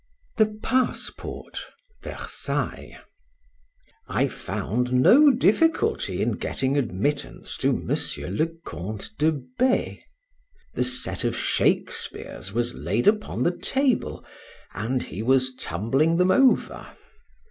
THE PASSPORT. VERSAILLES. I FOUND no difficulty in getting admittance to Monsieur le Count de B—. The set of Shakespeares was laid upon the table, and he was tumbling them over.